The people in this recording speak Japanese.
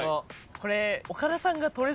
これ。